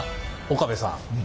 岡部さん。